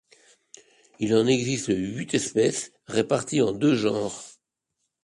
Il en existe huit espèces, réparties en deux genres.